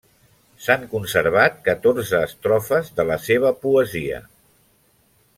S'han conservat catorze estrofes de la seva poesia.